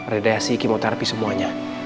radiasi kemoterapi semuanya